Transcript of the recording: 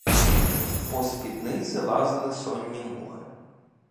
По спідниці лазили сонні мухи.